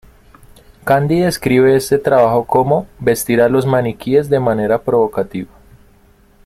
Candy describe este trabajo como "vestir a los maniquíes de manera provocativa.